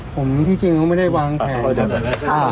ผมที่จริงเขาไม่ได้วางแผน